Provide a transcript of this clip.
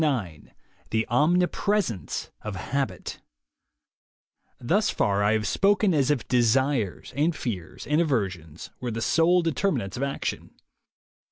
IX THE OMNIPRESENCE OF HABIT npHUS far I have spoken as if desires (and fears ■* and aversions) were the sole determinants of action.